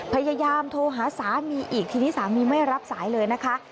พยายามโทรหาสามีอีกทีนี้สามีไม่รับสายเลยนะคะ